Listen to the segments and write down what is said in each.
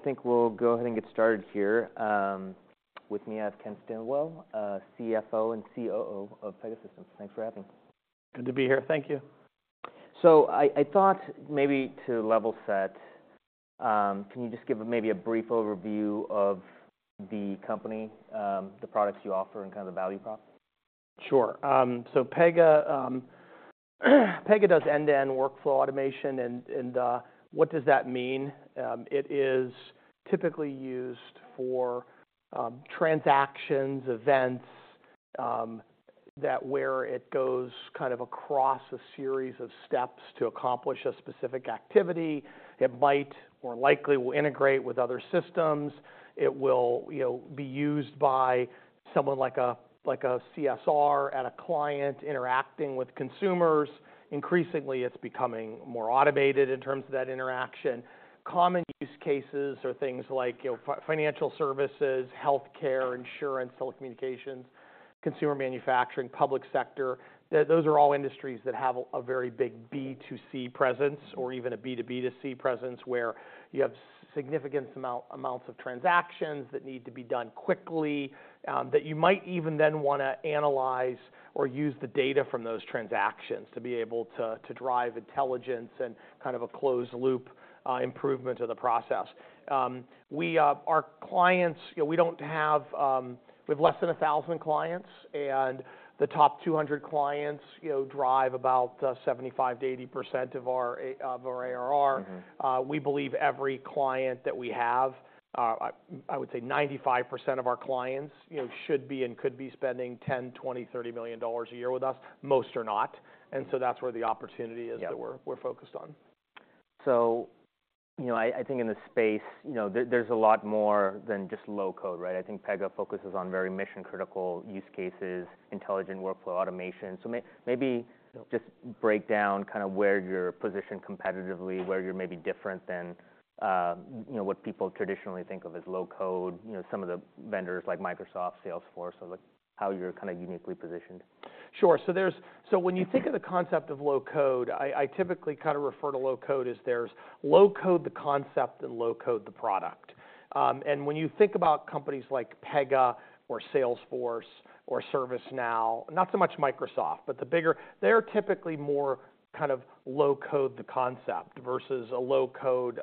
I think we'll go ahead and get started here. With me, I have Ken Stillwell, CFO and COO of Pegasystems. Thanks for having me. Good to be here. Thank you. So I thought maybe to level set, can you just give maybe a brief overview of the company, the products you offer, and kind of the value prop? Sure. So Pega, Pega does end-to-end workflow automation, and, what does that mean? It is typically used for transactions, events, that where it goes kind of across a series of steps to accomplish a specific activity. It might, or likely will, integrate with other systems. It will, you know, be used by someone like a, like a CSR at a client interacting with consumers. Increasingly, it's becoming more automated in terms of that interaction. Common use cases are things like, you know, financial services, healthcare, insurance, telecommunications, consumer manufacturing, public sector. Those are all industries that have a very big B2C presence or even a B2B2C presence, where you have significant amounts of transactions that need to be done quickly, that you might even then wanna analyze or use the data from those transactions to be able to drive intelligence and kind of a closed loop improvement of the process. Our clients, you know, we don't have, we have less than 1,000 clients, and the top 200 clients, you know, drive about 75%-80% of our ARR. Mm-hmm. We believe every client that we have, I would say 95% of our clients, you know, should be and could be spending $10 million, $20 million, $30 million a year with us. Most are not, and so that's where the opportunity is. Yeah... that we're focused on. So, you know, I think in this space, you know, there's a lot more than just low code, right? I think Pega focuses on very mission-critical use cases, intelligent workflow automation. So, maybe- Yep Just break down kind of where you're positioned competitively, where you're maybe different than, you know, what people traditionally think of as low-code. You know, some of the vendors like Microsoft, Salesforce, so, like, how you're kind of uniquely positioned. Sure. So when you think of the concept of low code, I typically kind of refer to low code as there's low code the concept and low code the product. And when you think about companies like Pega or Salesforce or ServiceNow, not so much Microsoft, but the bigger, they're typically more kind of low code the concept versus a low code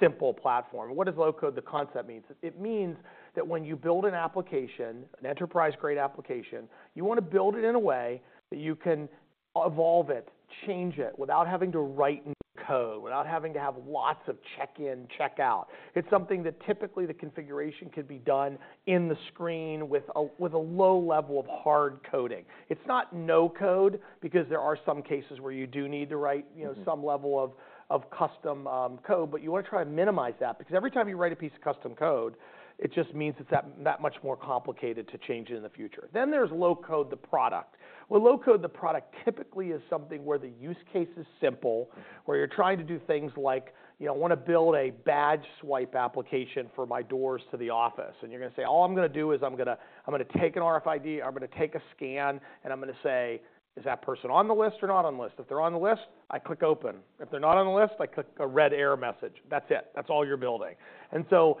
simple platform. What does low code the concept mean? It means that when you build an application, an enterprise-grade application, you want to build it in a way that you can evolve it, change it, without having to write new code, without having to have lots of check-in, check-out. It's something that typically the configuration can be done in the screen with a low level of hard coding. It's not no code, because there are some cases where you do need to write, you know- Mm-hmm Some level of custom code, but you want to try and minimize that, because every time you write a piece of custom code, it just means it's that much more complicated to change it in the future. Then there's low code the product. Well, low code the product typically is something where the use case is simple, where you're trying to do things like, you know, I want to build a badge swipe application for my doors to the office. And you're going to say, "All I'm going to do is take an RFID, take a scan, and say, 'Is that person on the list or not on the list?' If they're on the list, I click open. If they're not on the list, I click a red error message." That's it. That's all you're building. So,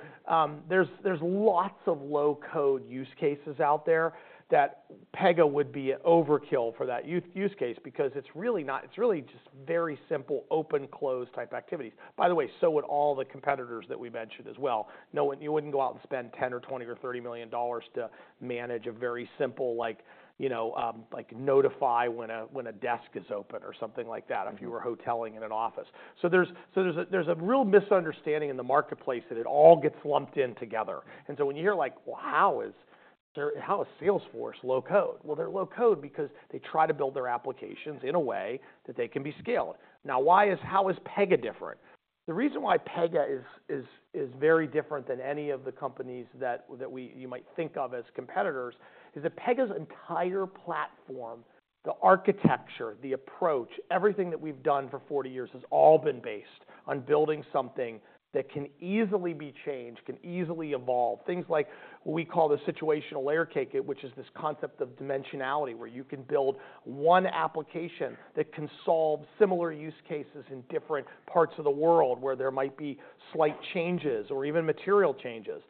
there's lots of low code use cases out there that Pega would be an overkill for that use case because it's really not... It's really just very simple, open/close type activities. By the way, so would all the competitors that we mentioned as well. No one—you wouldn't go out and spend $10 million or $20 million or $30 million to manage a very simple, like, you know, like notify when a desk is open or something like that- Mm-hmm If you were hoteling in an office. So there's a real misunderstanding in the marketplace that it all gets lumped in together. And so when you hear, like, well, how is Salesforce low-code? Well, they're low-code because they try to build their applications in a way that they can be scaled. Now, how is Pega different? The reason why Pega is very different than any of the companies that you might think of as competitors is that Pega's entire platform, the architecture, the approach, everything that we've done for 40 years has all been based on building something that can easily be changed, can easily evolve. Things like what we call the Situational Layer Cake, which is this concept of dimensionality, where you can build one application that can solve similar use cases in different parts of the world, where there might be slight changes or even material changes.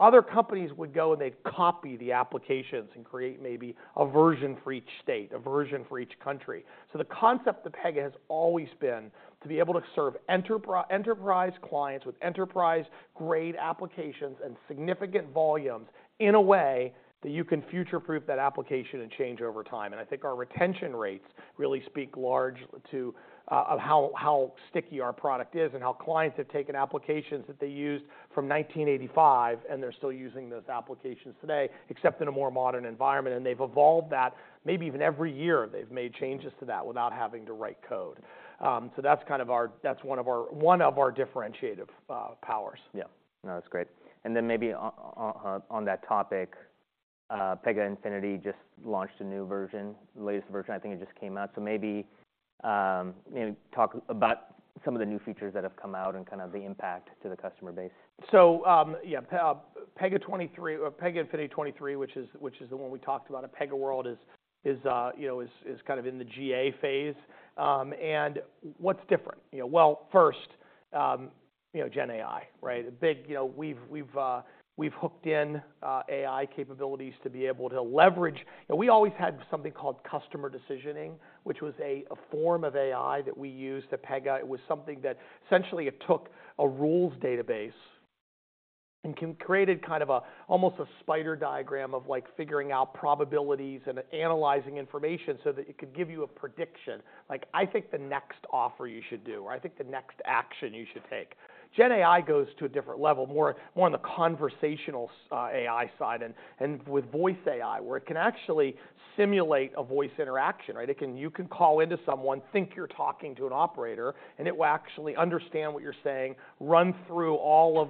Other companies would go and they'd copy the applications and create maybe a version for each state, a version for each country. So the concept of Pega has always been to be able to serve enterprise, enterprise clients with enterprise-grade applications and significant volumes in a way that you can future-proof that application and change over time. And I think our retention rates really speak large to of how sticky our product is and how clients have taken applications that they used from 1985, and they're still using those applications today, except in a more modern environment. They've evolved that, maybe even every year, they've made changes to that without having to write code. So that's kind of our—that's one of our, one of our differentiative powers. Yeah. No, that's great. And then maybe on that topic, Pega Infinity just launched a new version. The latest version, I think it just came out. So maybe, you know, talk about some of the new features that have come out and kind of the impact to the customer base. So, yeah, Pega 2023 or Pega Infinity 2023, which is the one we talked about at PegaWorld, is kind of in the GA phase. And what's different? You know, well, Gen AI, right? A big, you know, we've hooked in AI capabilities to be able to leverage. And we always had something called customer decisioning, which was a form of AI that we used at Pega. It was something that essentially it took a rules database and created kind of almost a spider diagram of, like, figuring out probabilities and analyzing information so that it could give you a prediction. Like, I think the next offer you should do, or I think the next action you should take. Gen AI goes to a different level, more on the conversational AI side, and with voice AI, where it can actually simulate a voice interaction, right? It can. You can call into someone, think you're talking to an operator, and it will actually understand what you're saying, run through all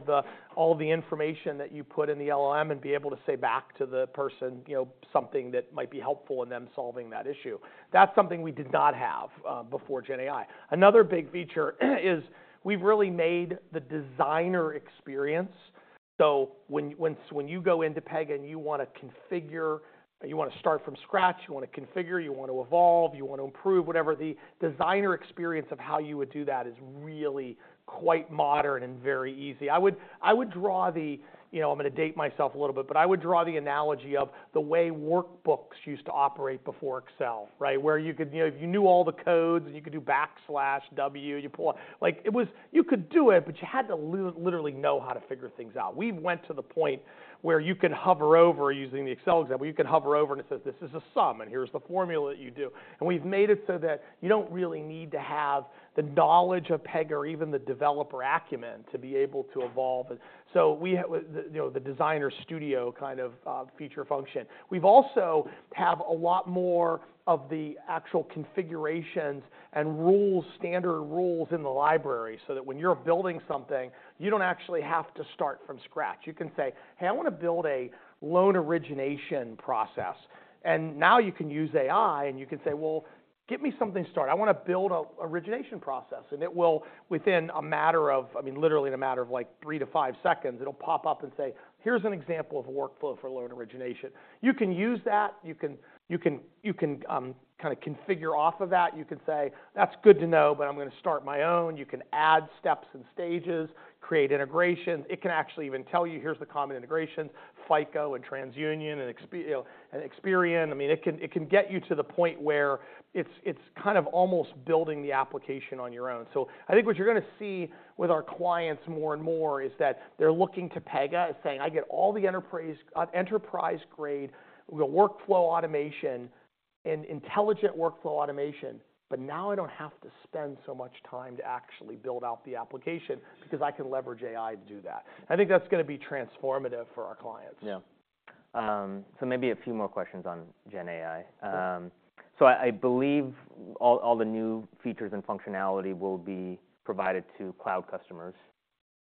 of the information that you put in the LLM, and be able to say back to the person, you know, something that might be helpful in them solving that issue. That's something we did not have before Gen AI. Another big feature is we've really made the designer experience. So when you go into Pega and you wanna configure, You wanna start from scratch, you wanna configure, you want to evolve, you wanna improve, whatever, the designer experience of how you would do that is really quite modern and very easy. I would draw the, you know, I'm gonna date myself a little bit, but I would draw the analogy of the way workbooks used to operate before Excel, right? Where you could, you know, if you knew all the codes, and you could do backslash W, you pull out. Like, it was... You could do it, but you had to literally know how to figure things out. We went to the point where you can hover over, using the Excel example, you can hover over, and it says, "This is a sum, and here's the formula that you do." And we've made it so that you don't really need to have the knowledge of Pega or even the developer acumen to be able to evolve. And so we have, the, you know, the Designer Studio kind of, feature function. We've also have a lot more of the actual configurations and rules, standard rules in the library, so that when you're building something, you don't actually have to start from scratch. You can say, "Hey, I wanna build a loan origination process." And now you can use AI, and you can say, "Well, get me something to start. I wanna build a origination process." And it will, within a matter of, I mean, literally in a matter of, like, 3-5 seconds, it'll pop up and say, "Here's an example of a workflow for loan origination." You can use that, you can, you can, you can, kind of configure off of that. You can say, "That's good to know, but I'm gonna start my own." You can add steps and stages, create integrations. It can actually even tell you, "Here's the common integrations, FICO and TransUnion, and Experian." I mean, it can, it can get you to the point where it's, it's kind of almost building the application on your own. So I think what you're gonna see with our clients more and more is that they're looking to Pega and saying, "I get all the enterprise, enterprise-grade, the workflow automation and intelligent workflow automation, but now I don't have to spend so much time to actually build out the application, because I can leverage AI to do that." I think that's gonna be transformative for our clients. Yeah. So maybe a few more questions on Gen AI. Sure. So I believe all the new features and functionality will be provided to cloud customers.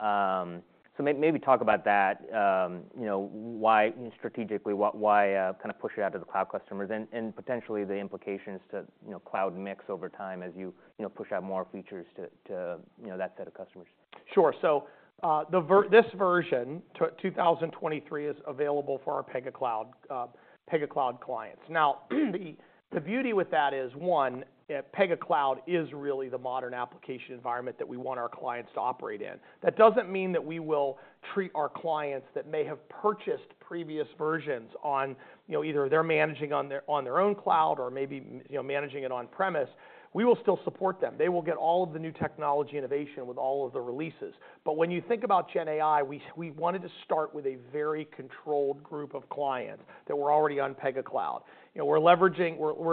So maybe talk about that. You know, why, strategically, why kind of push it out to the cloud customers and potentially the implications to, you know, cloud mix over time as you, you know, push out more features to that set of customers? Sure. So, the version, 2023, is available for our Pega Cloud clients. Now, the beauty with that is, one, Pega Cloud is really the modern application environment that we want our clients to operate in. That doesn't mean that we will treat our clients that may have purchased previous versions on, you know, either they're managing on their own cloud or maybe, you know, managing it on premise. We will still support them. They will get all of the new technology innovation with all of the releases. But when you think about Gen AI, we wanted to start with a very controlled group of clients that were already on Pega Cloud. You know, we're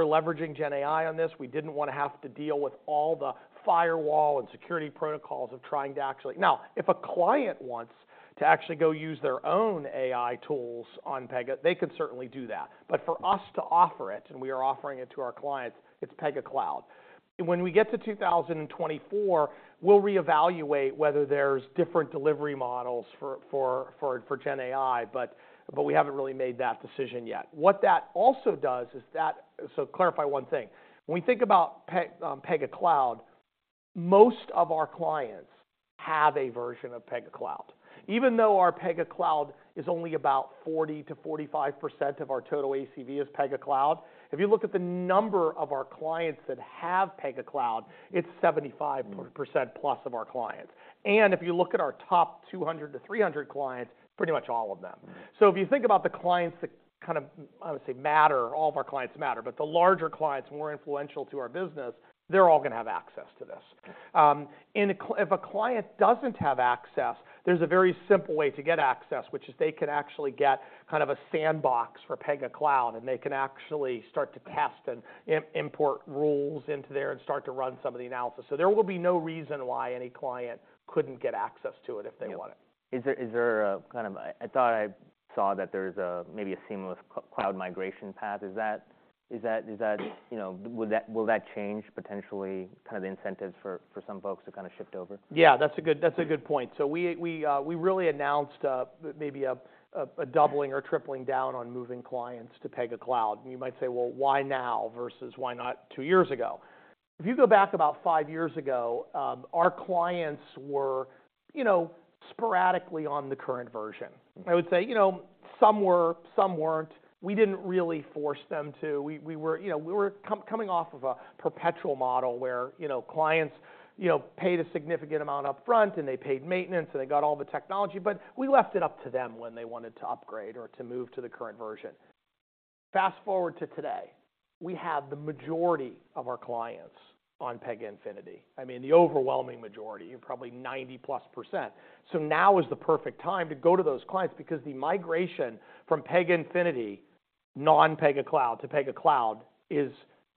leveraging Gen AI on this. We didn't wanna have to deal with all the firewall and security protocols of trying to actually... Now, if a client wants to actually go use their own AI tools on Pega, they could certainly do that. But for us to offer it, and we are offering it to our clients, it's Pega Cloud. When we get to 2024, we'll reevaluate whether there's different delivery models for Gen AI, but we haven't really made that decision yet. What that also does is that- so clarify one thing. When we think about Pega Cloud, most of our clients have a version of Pega Cloud. Even though our Pega Cloud is only about 40%-45% of our total ACV is Pega Cloud, if you look at the number of our clients that have Pega Cloud, it's 75- Mm ...% plus of our clients. If you look at our top 200-300 clients, pretty much all of them. Mm-hmm. So if you think about the clients that kind of, I would say, matter, all of our clients matter, but the larger clients, more influential to our business, they're all gonna have access to this. If a client doesn't have access, there's a very simple way to get access, which is they can actually get kind of a sandbox for Pega Cloud, and they can actually start to test and import rules into there and start to run some of the analysis. So there will be no reason why any client couldn't get access to it if they want it. Yeah. Is there a kind of... I thought I saw that there's maybe a seamless cloud migration path. Is that, you know, would that will that change potentially kind of the incentives for some folks to kind of shift over? Yeah, that's a good, that's a good point. So we really announced maybe a doubling or tripling down on moving clients to Pega Cloud. And you might say, "Well, why now versus why not 2 years ago?" If you go back about 5 years ago, our clients were you know, sporadically on the current version. I would say, you know, some were, some weren't. We didn't really force them to. We were, you know, we were coming off of a perpetual model where, you know, clients, you know, paid a significant amount upfront, and they paid maintenance, and they got all the technology, but we left it up to them when they wanted to upgrade or to move to the current version. Fast-forward to today, we have the majority of our clients on Pega Infinity. I mean, the overwhelming majority, probably 90%+. So now is the perfect time to go to those clients because the migration from Pega Infinity, non-Pega Cloud to Pega Cloud, is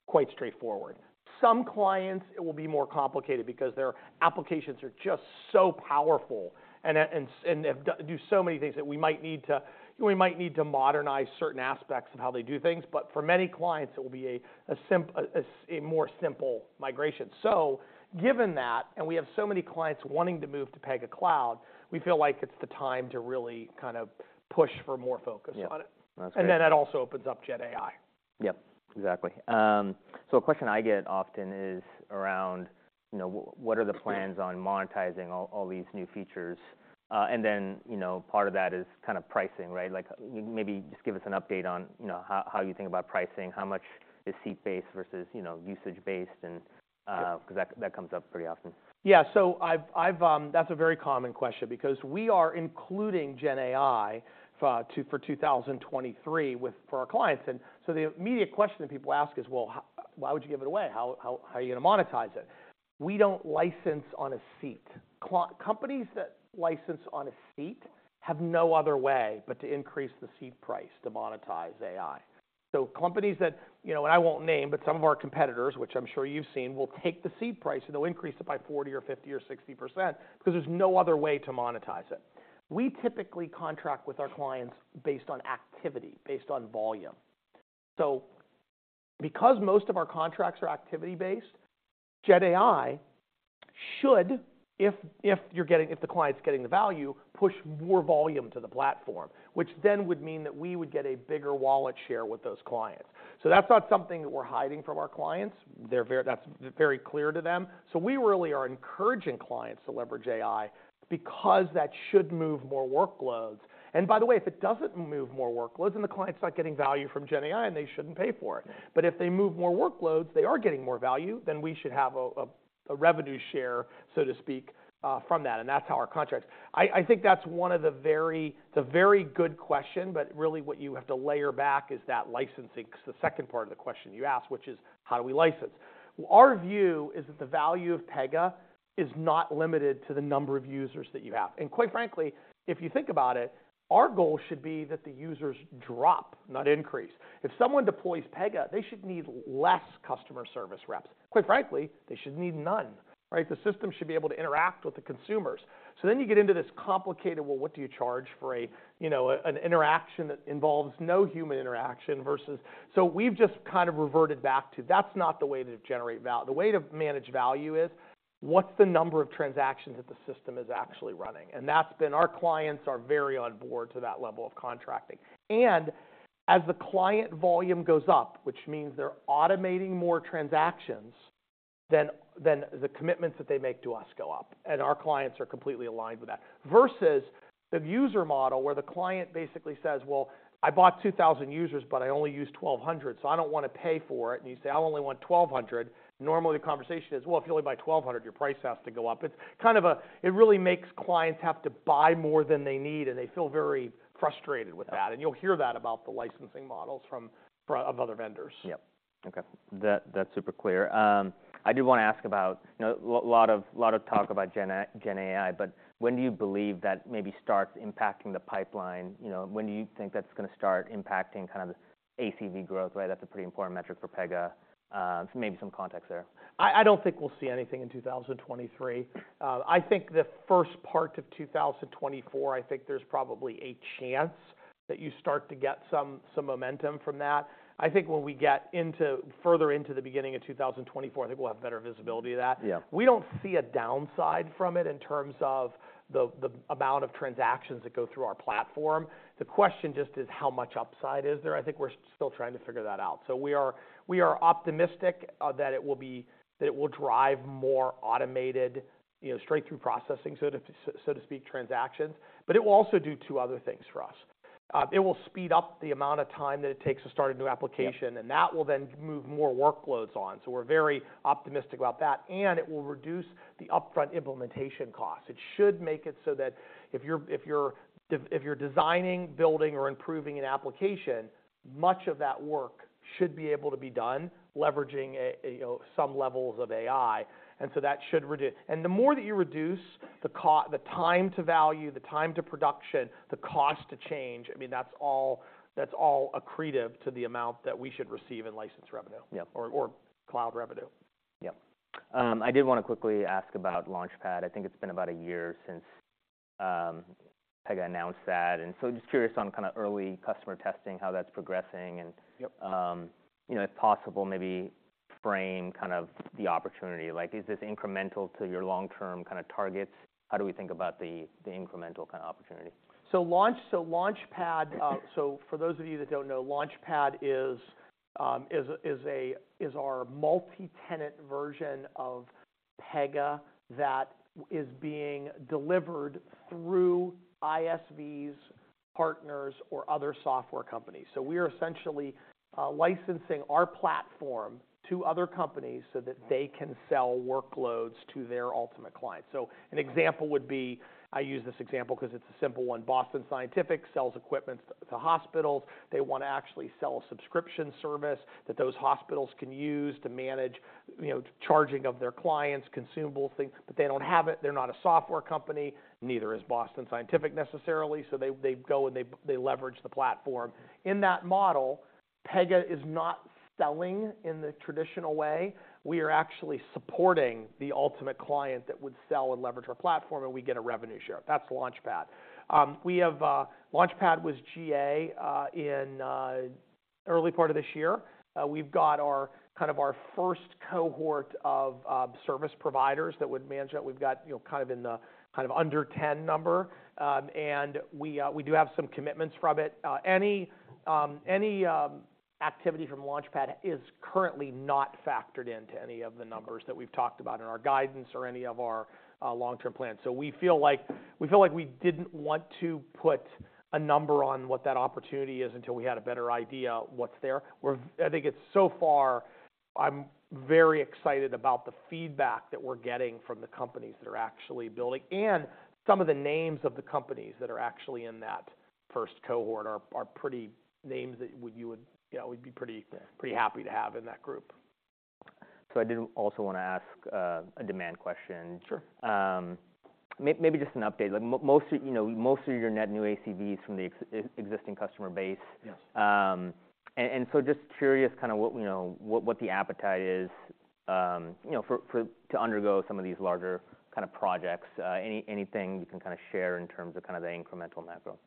quite straightforward. Some clients, it will be more complicated because their applications are just so powerful and they've do so many things that we might need to modernize certain aspects of how they do things, but for many clients, it will be a more simple migration. So given that, and we have so many clients wanting to move to Pega Cloud, we feel like it's the time to really kind of push for more focus on it. Yeah. That's great. And then that also opens up GenAI. Yep, exactly. So a question I get often is around, you know, what are the plans on monetizing all these new features? And then, you know, part of that is kind of pricing, right? Like, maybe just give us an update on, you know, how you think about pricing, how much is seat-based versus, you know, usage-based, and cause that comes up pretty often. Yeah. So I've. That's a very common question because we are including GenAI for 2023 with our clients. And so the immediate question that people ask is, "Well, why would you give it away? How are you going to monetize it?" We don't license on a seat. Companies that license on a seat have no other way but to increase the seat price to monetize AI. So companies that, you know, and I won't name, but some of our competitors, which I'm sure you've seen, will take the seat price, and they'll increase it by 40% or 50% or 60% because there's no other way to monetize it. We typically contract with our clients based on activity, based on volume. So because most of our contracts are activity-based, GenAI should, if the client's getting the value, push more volume to the platform, which then would mean that we would get a bigger wallet share with those clients. So that's not something that we're hiding from our clients. They're very. That's very clear to them. So we really are encouraging clients to leverage AI because that should move more workloads. And by the way, if it doesn't move more workloads, then the client's not getting value from GenAI, and they shouldn't pay for it. But if they move more workloads, they are getting more value, then we should have a revenue share, so to speak, from that, and that's how our contracts... I think that's one of the very good question, but really what you have to layer back is that licensing, 'cause the second part of the question you asked, which is: How do we license? Our view is that the value of Pega is not limited to the number of users that you have. And quite frankly, if you think about it, our goal should be that the users drop, not increase. If someone deploys Pega, they should need less customer service reps. Quite frankly, they should need none, right? The system should be able to interact with the consumers. So then you get into this complicated, well, what do you charge for a, you know, an interaction that involves no human interaction versus... So we've just kind of reverted back to that's not the way to generate value. The way to manage value is what's the number of transactions that the system is actually running? And that's been... Our clients are very on board to that level of contracting. And as the client volume goes up, which means they're automating more transactions, then the commitments that they make to us go up, and our clients are completely aligned with that. Versus the user model, where the client basically says: "Well, I bought 2,000 users, but I only use 1,200, so I don't want to pay for it." And you say: "I only want 1,200." Normally, the conversation is, "Well, if you only buy 1,200, your price has to go up." It's kind of a... It really makes clients have to buy more than they need, and they feel very frustrated with that. Yeah. You'll hear that about the licensing models from of other vendors. Yep. Okay. That, that's super clear. I do want to ask about, you know, a lot of, lot of talk about GenAI, but when do you believe that maybe starts impacting the pipeline? You know, when do you think that's going to start impacting kind of ACV growth, right? That's a pretty important metric for Pega. So maybe some context there. I don't think we'll see anything in 2023. I think the first part of 2024, I think there's probably a chance that you start to get some momentum from that. I think when we get further into the beginning of 2024, I think we'll have better visibility of that. Yeah. We don't see a downside from it in terms of the, the amount of transactions that go through our platform. The question just is: How much upside is there? I think we're still trying to figure that out. So we are, we are optimistic that it will drive more automated, you know, straight-through processing, so to speak, transactions. But it will also do two other things for us. It will speed up the amount of time that it takes to start a new application- Yeah... and that will then move more workloads on. So we're very optimistic about that, and it will reduce the upfront implementation costs. It should make it so that if you're designing, building, or improving an application, much of that work should be able to be done leveraging, you know, some levels of AI, and so that should reduce... And the more that you reduce the time to value, the time to production, the cost to change, I mean, that's all, that's all accretive to the amount that we should receive in licensed revenue- Yeah... or cloud revenue. Yep. I did want to quickly ask about Launchpad. I think it's been about a year since Pega announced that, and so just curious on kind of early customer testing, how that's progressing, and- Yep... you know, if possible, maybe frame kind of the opportunity. Like, is this incremental to your long-term kind of targets? How do we think about the incremental kind of opportunity? So Launchpad, so for those of you that don't know, Launchpad is our multi-tenant version of Pega that is being delivered through ISVs, partners, or other software companies. So we are essentially licensing our platform to other companies so that they can sell workloads to their ultimate clients. So an example would be, I use this example because it's a simple one, Boston Scientific sells equipment to hospitals. They want to actually sell a subscription service that those hospitals can use to manage, you know, charging of their clients, consumable things, but they don't have it. They're not a software company, neither is Boston Scientific necessarily, so they go and they leverage the platform. In that model, Pega is not selling in the traditional way. We are actually supporting the ultimate client that would sell and leverage our platform, and we get a revenue share. That's Launchpad. We have Launchpad was GA in early part of this year. We've got our kind of our first cohort of service providers that would manage that. We've got, you know, kind of in the kind of under 10 number, and we we do have some commitments from it. Any any activity from Launchpad is currently not factored into any of the numbers that we've talked about in our guidance or any of our long-term plans. So we feel like, we feel like we didn't want to put a number on what that opportunity is until we had a better idea of what's there. I think so far, I'm very excited about the feedback that we're getting from the companies that are actually building, and some of the names of the companies that are actually in that first cohort are pretty names that you would, yeah, we'd be pretty happy to have in that group. I did also want to ask a demand question. Sure. Maybe just an update. Like, most of you know, most of your net new ACVs from the existing customer base. Yes. And so just curious, kind of what, you know, what the appetite is, you know, for to undergo some of these larger kind of projects. Anything you can kind of share in terms of kind of the incremental macro?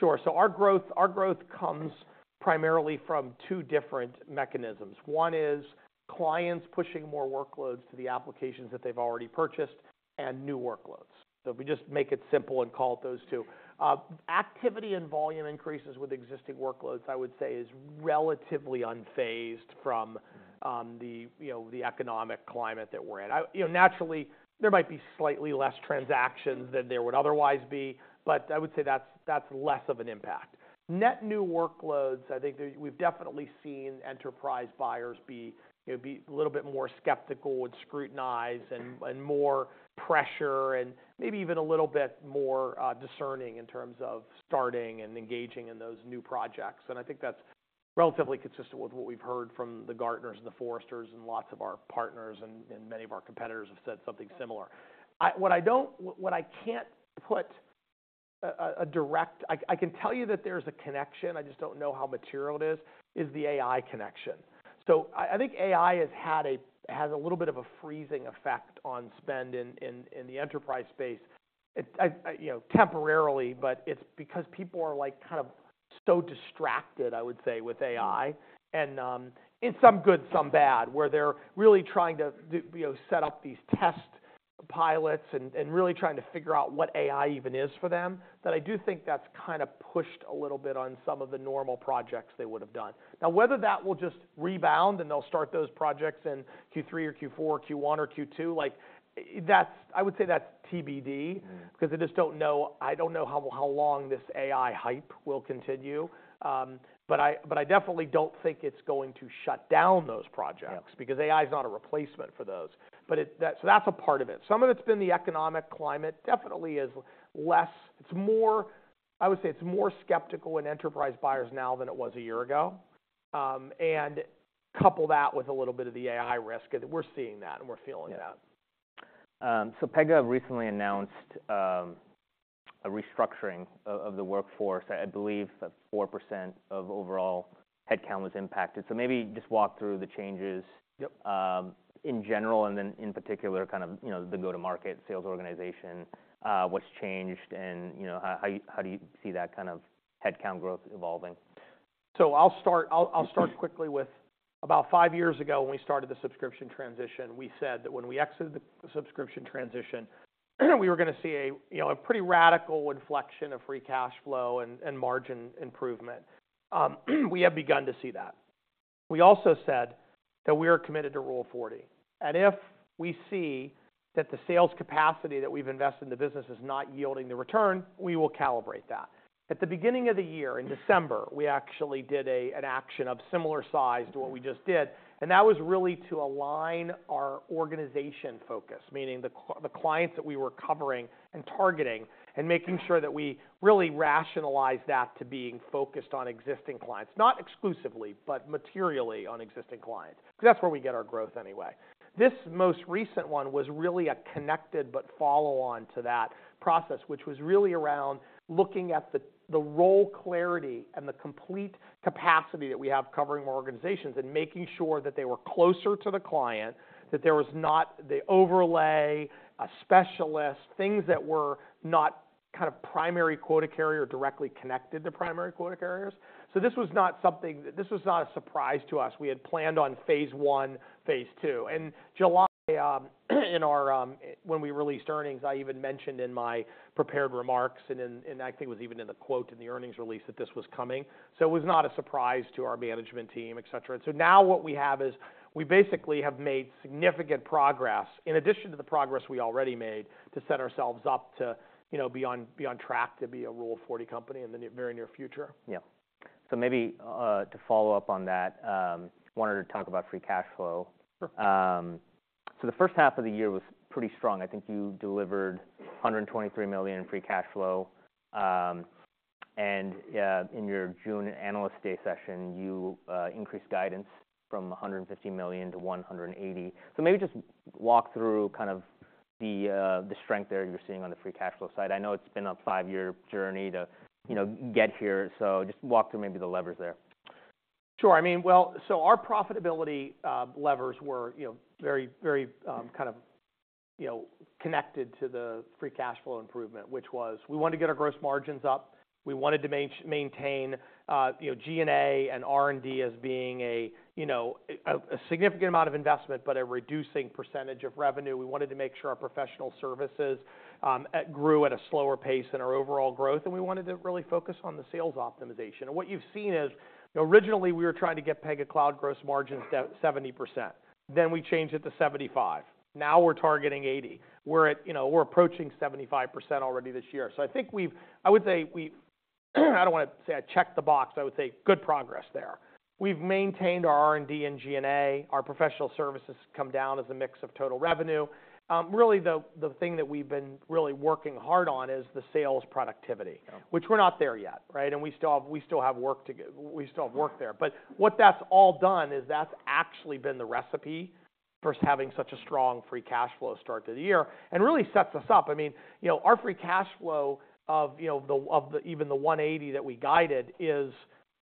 Sure. So our growth, our growth comes primarily from two different mechanisms. One is clients pushing more workloads to the applications that they've already purchased, and new workloads. So if we just make it simple and call it those two. Activity and volume increases with existing workloads, I would say, is relatively unfazed from- Mm... you know, the economic climate that we're in. You know, naturally, there might be slightly less transactions than there would otherwise be, but I would say that's less of an impact. Net new workloads, I think that we've definitely seen enterprise buyers be, you know, a little bit more skeptical with scrutinize- Mm-hmm... and more pressure and maybe even a little bit more discerning in terms of starting and engaging in those new projects. And I think that's relatively consistent with what we've heard from Gartner and Forrester and lots of our partners, and many of our competitors have said something similar. What I can't put a direct... I can tell you that there's a connection, I just don't know how material it is, is the AI connection. So I think AI has had a little bit of a freezing effect on spend in the enterprise space. It, you know, temporarily, but it's because people are, like, kind of so distracted, I would say, with AI. In some good, some bad, where they're really trying to do, you know, set up these test pilots and really trying to figure out what AI even is for them. But I do think that's kind of pushed a little bit on some of the normal projects they would have done. Now, whether that will just rebound, and they'll start those projects in Q3 or Q4, Q1 or Q2, like, that's. I would say that's TBD. Mm. Because I just don't know, I don't know how long this AI hype will continue. But I definitely don't think it's going to shut down those projects because AI is not a replacement for those. But it, that- so that's a part of it. Some of it's been the economic climate, definitely is less... It's more, I would say it's more skeptical in enterprise buyers now than it was a year ago. And couple that with a little bit of the AI risk, and we're seeing that, and we're feeling that. Yeah. So Pega recently announced a restructuring of the workforce. I believe that 4% of overall headcount was impacted. So maybe just walk through the changes- Yep... in general, and then in particular, kind of, you know, the go-to-market sales organization, what's changed and, you know, how do you see that kind of headcount growth evolving? So I'll start quickly with about five years ago, when we started the subscription transition, we said that when we exited the subscription transition, we were going to see a, you know, a pretty radical inflection of free cash flow and, and margin improvement. We have begun to see that. We also said that we are committed to Rule 40, and if we see that the sales capacity that we've invested in the business is not yielding the return, we will calibrate that. At the beginning of the year, in December, we actually did a, an action of similar size to what we just did, and that was really to align our organization focus, meaning the clients that we were covering and targeting, and making sure that we really rationalize that to being focused on existing clients. Not exclusively, but materially on existing clients, because that's where we get our growth anyway. This most recent one was really a connected but follow-on to that process, which was really around looking at the role clarity and the complete capacity that we have covering more organizations, and making sure that they were closer to the client, that there was not the overlay, a specialist, things that were not kind of primary quota carrier or directly connected to primary quota carriers. So this was not a surprise to us. We had planned on phase 1, phase 2. And July, in our, when we released earnings, I even mentioned in my prepared remarks, and in, and I think it was even in the quote in the earnings release, that this was coming. So it was not a surprise to our management team, et cetera. So now what we have is, we basically have made significant progress in addition to the progress we already made, to set ourselves up to, you know, be on, be on track to be a Rule 40 company in the near- very near future. Yeah. So maybe, to follow up on that, wanted to talk about free cash flow. Sure. So the first half of the year was pretty strong. I think you delivered $123 million in free cash flow. And in your June Analyst day session, you increased guidance from $150 million to $180 million. So maybe just walk through kind of the strength there you're seeing on the free cash flow side. I know it's been a 5-year journey to, you know, get here, so just walk through maybe the levers there. Sure. I mean, well, so our profitability levers were, you know, very, very kind of, you know, connected to the free cash flow improvement, which was we wanted to get our gross margins up. We wanted to maintain, you know, G&A and R&D as being a, you know, a significant amount of investment, but a reducing percentage of revenue. We wanted to make sure our professional services grew at a slower pace than our overall growth, and we wanted to really focus on the sales optimization. And what you've seen is, originally, we were trying to get Pega Cloud gross margins to 70%, then we changed it to 75. Now we're targeting 80. We're at, you know, we're approaching 75% already this year. So I think we've, I would say we've... I don't want to say I checked the box. I would say good progress there. We've maintained our R&D and G&A. Our professional services come down as a mix of total revenue. Really, the thing that we've been really working hard on is the sales productivity which we're not there yet, right? And we still have work there. But what that's all done is that's actually been the recipe for us having such a strong free cash flow start to the year and really sets us up. I mean, you know, our free cash flow of, you know, the, of the, even the $180 that we guided is,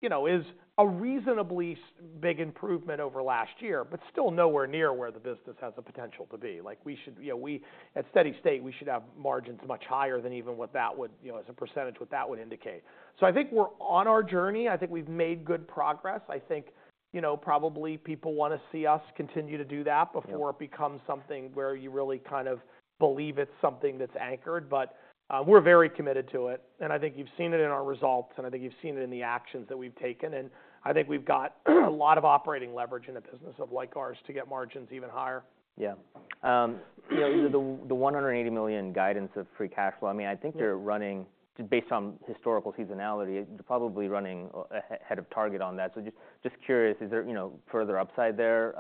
you know, is a reasonably big improvement over last year, but still nowhere near where the business has the potential to be. Like, we should, you know, we at steady state, we should have margins much higher than even what that would, you know, as a percentage, what that would indicate. So I think we're on our journey. I think we've made good progress. I think, you know, probably people want to see us continue to do that. Before it becomes something where you really kind of believe it's something that's anchored. But, we're very committed to it, and I think you've seen it in our results, and I think you've seen it in the actions that we've taken, and I think we've got a lot of operating leverage in a business of like ours to get margins even higher. Yeah. You know, the $180 million guidance of free cash flow, I mean, I think you're running, based on historical seasonality, you're probably running ahead of target on that. So just curious, is there, you know, further upside there,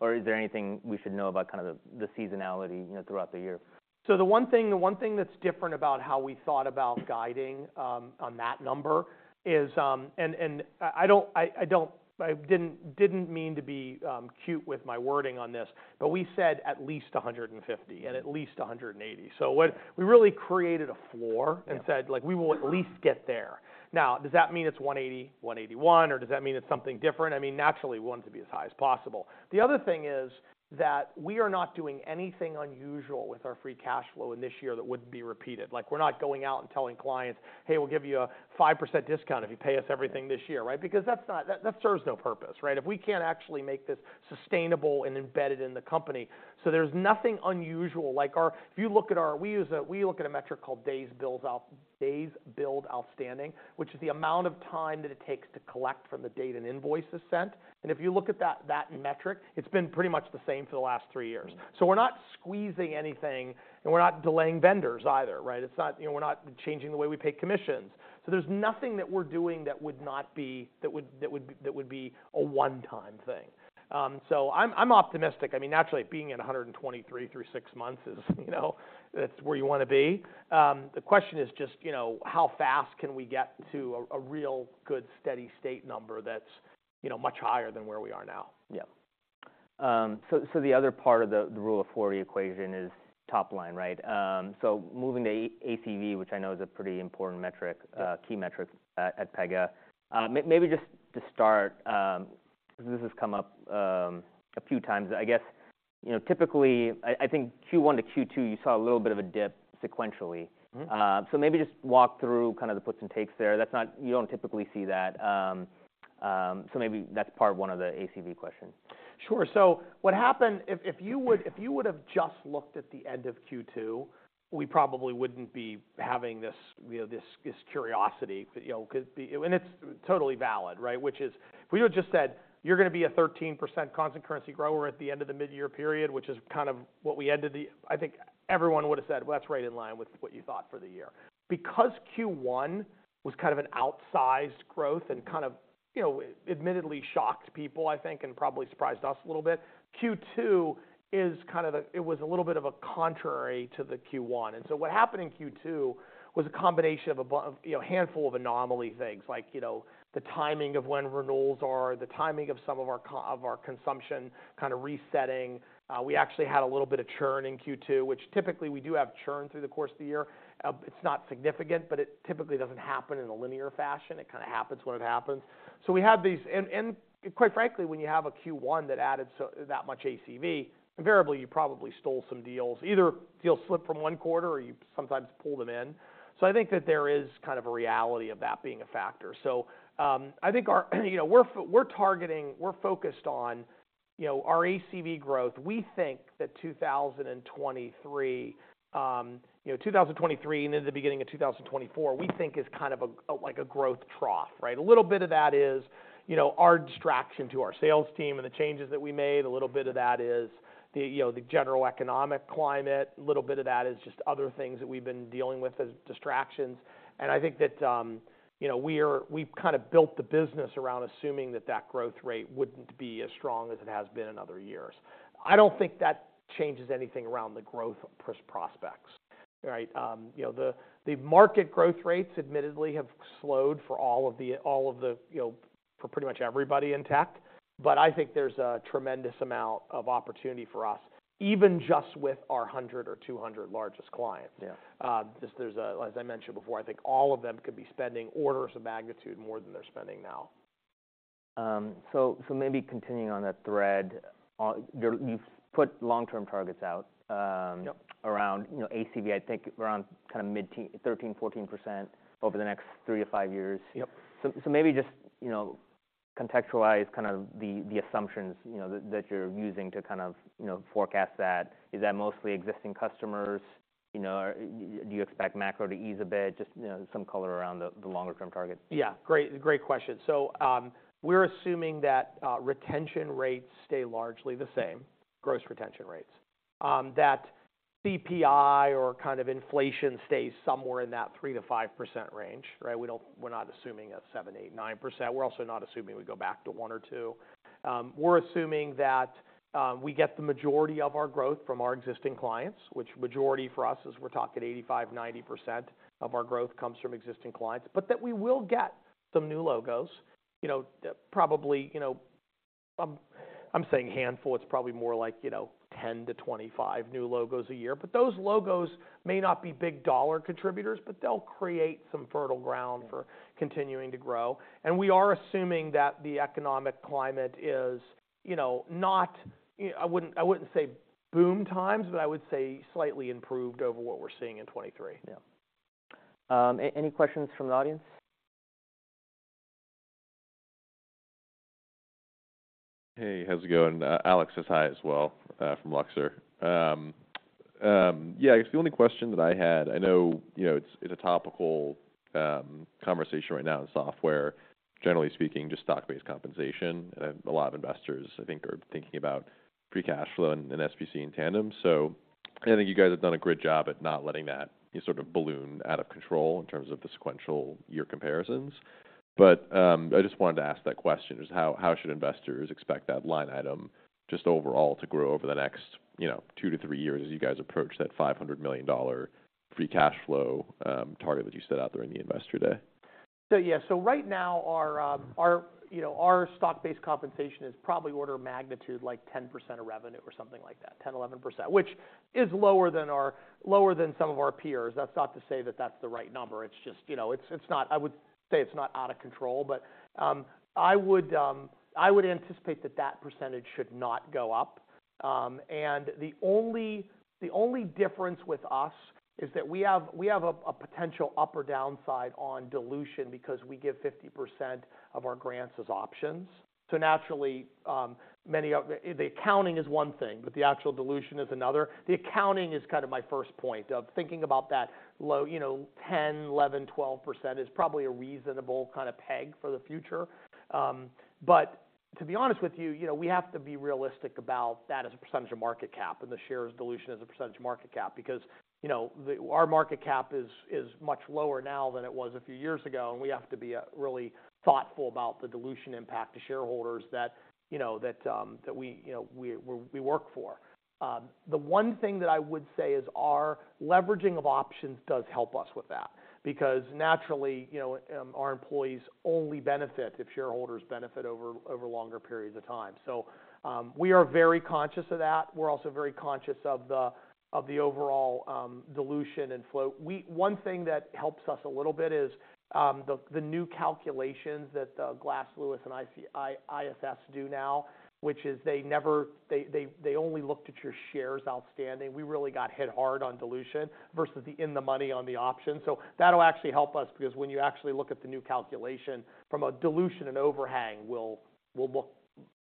or is there anything we should know about kind of the seasonality, you know, throughout the year? So the one thing, the one thing that's different about how we thought about guiding on that number is. And I didn't mean to be cute with my wording on this, but we said at least 150 and at least 180. So we really created a floor- Yeah And said, like, "We will at least get there." Now, does that mean it's 180, 181, or does that mean it's something different? I mean, naturally, we want it to be as high as possible. The other thing is that we are not doing anything unusual with our free cash flow in this year that would be repeated. Like, we're not going out and telling clients, "Hey, we'll give you a 5% discount if you pay us everything this year." Right? Because that's not. That serves no purpose, right? If we can't actually make this sustainable and embedded in the company. So there's nothing unusual. Like, if you look at our. We look at a metric called Days Billed Outstanding, which is the amount of time that it takes to collect from the date an invoice is sent. If you look at that, that metric, it's been pretty much the same for the last three years. Mm-hmm. So we're not squeezing anything, and we're not delaying vendors either, right? It's not... You know, we're not changing the way we pay commissions. So there's nothing that we're doing that would be a one-time thing. So I'm optimistic. I mean, naturally, being at 123 through 6 months is, you know, that's where you want to be. The question is just, you know, how fast can we get to a real, good, steady state number that's, you know, much higher than where we are now? Yeah. So, the other part of the Rule of 40 equation is top line, right? So moving to ACV, which I know is a pretty important metric- Yeah... key metric at Pega. Maybe just to start, because this has come up a few times. I guess, you know, typically, I think Q1 to Q2, you saw a little bit of a dip sequentially. Mm-hmm. So, maybe just walk through kind of the puts and takes there. That's not- you don't typically see that. So, maybe that's part of one of the ACV questions. Sure. So what happened... If, if you would, if you would have just looked at the end of Q2, we probably wouldn't be having this, you know, this, this curiosity, you know, because the... And it's totally valid, right? Which is, if we would've just said, "You're gonna be a 13% constant currency grower at the end of the midyear period," which is kind of what we ended the- I think everyone would have said, "Well, that's right in line with what you thought for the year." Because Q1 was kind of an outsized growth and kind of, you know, admittedly shocked people, I think, and probably surprised us a little bit, Q2 is kind of a- it was a little bit of a contrary to the Q1. And so what happened in Q2 was a combination of, you know, a handful of anomaly things, like, you know, the timing of when renewals are, the timing of some of our consumption, kind of resetting. We actually had a little bit of churn in Q2, which typically we do have churn through the course of the year. It's not significant, but it typically doesn't happen in a linear fashion. It kind of happens when it happens. So we had these. And quite frankly, when you have a Q1 that added that much ACV, invariably, you probably stole some deals. Either deals slip from one quarter, or you sometimes pull them in. So I think that there is kind of a reality of that being a factor. So, I think, you know, we're focused on, you know, our ACV growth. We think that 2023, you know, 2023, and then the beginning of 2024, we think is kind of like a growth trough, right? A little bit of that is, you know, a distraction to our sales team and the changes that we made. A little bit of that is the, you know, the general economic climate. A little bit of that is just other things that we've been dealing with as distractions. And I think that, you know, we've kind of built the business around assuming that that growth rate wouldn't be as strong as it has been in other years. I don't think that changes anything around the growth prospects, right? You know, the market growth rates admittedly have slowed for all of the, you know, for pretty much everybody in tech, but I think there's a tremendous amount of opportunity for us, even just with our 100 or 200 largest clients. Yeah. Just, there's. As I mentioned before, I think all of them could be spending orders of magnitude more than they're spending now. So maybe continuing on that thread, you've put long-term targets out. Yep... around, you know, ACV, I think around kind of mid-teens, 13%-14% over the next 3-5 years. Yep. So maybe just, you know, contextualize kind of the assumptions, you know, that you're using to kind of, you know, forecast that. Is that mostly existing customers? You know, do you expect macro to ease a bit? Just, you know, some color around the longer term targets. Yeah, great, great question. So, we're assuming that, retention rates stay largely the same, gross retention rates. That CPI or kind of inflation stays somewhere in that 3%-5% range, right? We don't-- we're not assuming a 7%, 8%, 9%. We're also not assuming we go back to one or two. We're assuming that, we get the majority of our growth from our existing clients, which majority for us is we're talking 85%, 90% of our growth comes from existing clients, but that we will get some new logos. You know, probably, you know, I'm saying handful, it's probably more like, you know, 10-25 new logos a year. But those logos may not be big dollar contributors, but they'll create some fertile ground for continuing to grow. We are assuming that the economic climate is, you know, not... I wouldn't say boom times, but I would say slightly improved over what we're seeing in 2023. Yeah. Any questions from the audience? Hey, how's it going? Alex, say hi as well from Luxor. Yeah, I guess the only question that I had, I know, you know, it's a topical conversation right now in software. Generally speaking, just stock-based compensation. And a lot of investors, I think, are thinking about free cash flow and SPC in tandem. So I think you guys have done a great job at not letting that sort of balloon out of control in terms of the sequential year comparisons. But I just wanted to ask that question, is how, how should investors expect that line item, just overall, to grow over the next, you know, 2-3 years as you guys approach that $500 million free cash flow target that you set out there in the Investor Day? So yeah. So right now, our, our, you know, our Stock-Based Compensation is probably order of magnitude, like 10% of revenue or something like that, 10%-11%, which is lower than our- lower than some of our peers. That's not to say that that's the right number. It's just, you know, it's, it's not... I would say it's not out of control, but, I would, I would anticipate that that percentage should not go up. And the only, the only difference with us is that we have, we have a, a potential up or down side on dilution because we give 50% of our grants as options. So naturally, many of the... The accounting is one thing, but the actual dilution is another. The accounting is kind of my first point of thinking about that low, you know, 10, 11, 12% is probably a reasonable kind of peg for the future. But to be honest with you, you know, we have to be realistic about that as a percentage of market cap, and the shares dilution as a percentage of market cap, because, you know, our market cap is much lower now than it was a few years ago, and we have to be really thoughtful about the dilution impact to shareholders that, you know, that we, you know, we work for. The one thing that I would say is our leveraging of options does help us with that, because naturally, you know, our employees only benefit if shareholders benefit over longer periods of time. So, we are very conscious of that. We're also very conscious of the overall dilution and flow. One thing that helps us a little bit is the new calculations that Glass Lewis and ISS do now, which is they never – they only looked at your shares outstanding. We really got hit hard on dilution versus the in-the-money on the option. So that'll actually help us, because when you actually look at the new calculation from a dilution and overhang, we'll look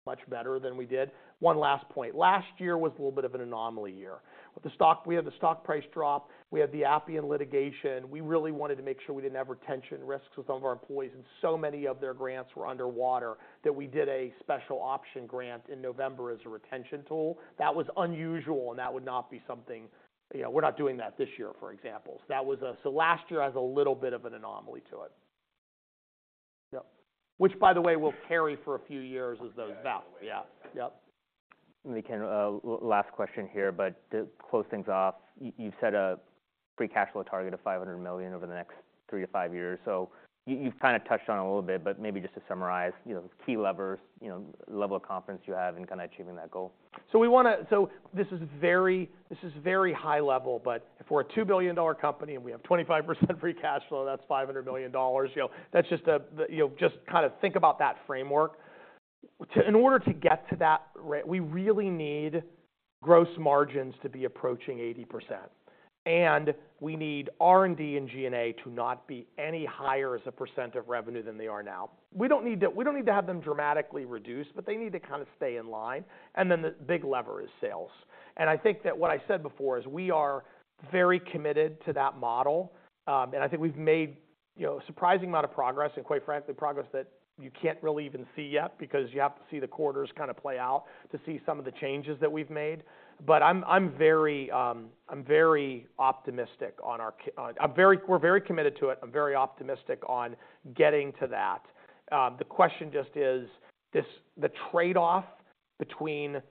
much better than we did. One last point. Last year was a little bit of an anomaly year. With the stock – we had the stock price drop, we had the Appian litigation. We really wanted to make sure we didn't have retention risks with some of our employees, and so many of their grants were underwater, that we did a special option grant in November as a retention tool. That was unusual, and that would not be something... You know, we're not doing that this year, for example. So that was a, so last year has a little bit of an anomaly to it. Yep. Which, by the way, will carry for a few years as those vest. Yeah. Yep, yep. Let me kind of last question here, but to close things off, you've set a free cash flow target of $500 million over the next 3-5 years. So you've kind of touched on it a little bit, but maybe just to summarize, you know, the key levers, you know, level of confidence you have in kind of achieving that goal. So this is very high level, but if we're a $2 billion company and we have 25% free cash flow, that's $500 billion. You know, that's just the-- You know, just kind of think about that framework. In order to get to that, we really need gross margins to be approaching 80%, and we need R&D and G&A to not be any higher as a percent of revenue than they are now. We don't need to, we don't need to have them dramatically reduced, but they need to kind of stay in line, and then the big lever is sales. I think that what I said before is we are very committed to that model, and I think we've made, you know, a surprising amount of progress, and quite frankly, progress that you can't really even see yet, because you have to see the quarters kind of play out to see some of the changes that we've made. But I'm very optimistic. We're very committed to it. I'm very optimistic on getting to that. The question just is, this, the trade-off between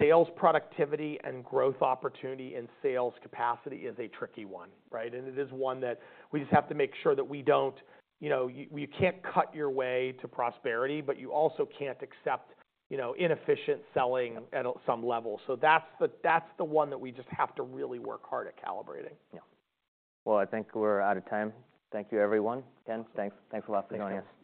sales productivity and growth opportunity and sales capacity is a tricky one, right? It is one that we just have to make sure that we don't... You know, you can't cut your way to prosperity, but you also can't accept, you know, inefficient selling at some level. That's the, that's the one that we just have to really work hard at calibrating. Yeah. Well, I think we're out of time. Thank you, everyone. Ken, thanks. Thanks a lot for joining us.